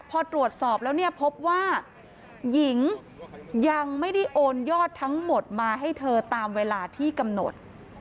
พอตรวจสอบแล้วเนี่ยพบว่าหญิงยังไม่ได้โอนยอดทั้งหมดมาให้เธอตามเวลาที่กำหนด